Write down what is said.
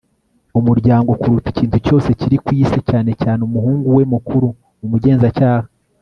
umuryango kuruta ikintu cyose kiri kwisi, cyane cyane umuhungu we mukuru, umugenzacyaha